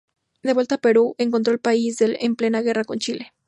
De vuelta al Perú, encontró al país en plena guerra con Chile.